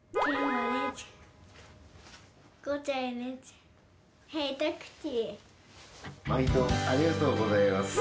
まいどありがとうございます。